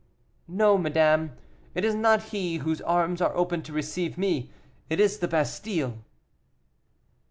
"No, madame, it is not he whose arms are open to receive me it is the Bastile."